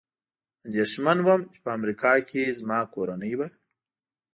اندېښمن ووم، چې په امریکا کې زما کورنۍ به.